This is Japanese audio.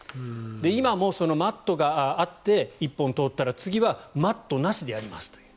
今もマットがあって１本通ったら次はマットなしでやりますという。